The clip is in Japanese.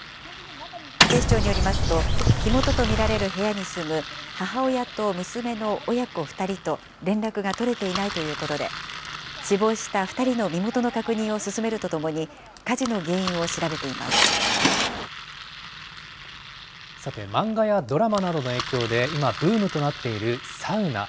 警視庁によりますと、火元と見られる部屋に住む母親と娘の親子２人と連絡が取れていないということで、死亡した２人の身元の確認を進めるとともに、さて、漫画やドラマなどの影響で、今、ブームとなっているサウナ。